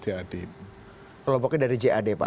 kelompoknya dari cad pak